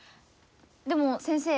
でも先生。